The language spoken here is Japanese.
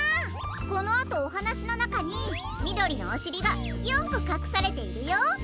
このあとおはなしのなかにみどりのおしりが４こかくされているよ。